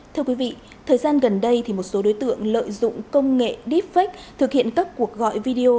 thưa quý vị thời gian gần đây một số đối tượng lợi dụng công nghệ deepfake thực hiện các cuộc gọi video